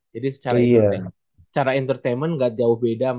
jadi secara entertainment gak jauh beda